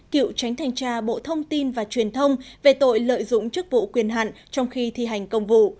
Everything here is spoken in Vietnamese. cựu tránh thanh tra bộ thông tin và truyền thông về tội lợi dụng chức vụ quyền hạn trong khi thi hành công vụ